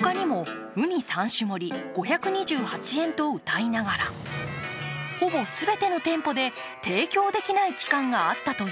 他にも、うに３種盛り５２８円とうたいながらほぼ全ての店舗で提供できない期間があったという。